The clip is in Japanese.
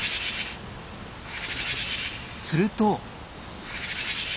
すると。